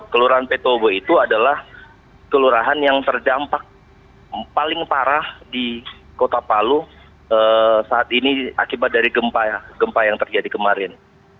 kelurahan petobo itu adalah kelurahan yang terdampak paling parah di kota palu saat ini akibat dari gempa yang terjadi kemarin